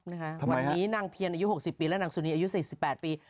วันนี้นางเพียรอายุ๖๐ปีและนางสุนีอายุ๔๘ปี